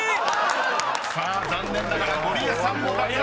［さあ残念ながらゴリエさんも脱落。